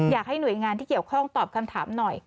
อยากให้หน่วยงานที่เกี่ยวข้องตอบคำถามหน่อย